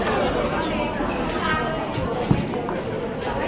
ที่เจนนี่ของกล้องนี้นะคะ